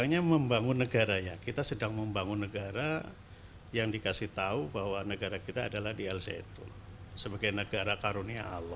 yang jelas ya al zaitun